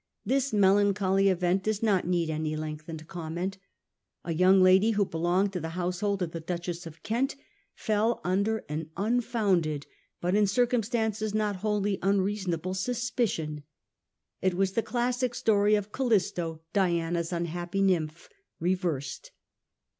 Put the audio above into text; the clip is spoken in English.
This melancholy event does not need any lengthened comment. A young lady who belonged to the household of the Duchess of Kent fell under an unfounded, but in the circum stances not wholly unreasonable, suspicion. It was the classic story of Calisto, Diana's unhappy nymph, reversed.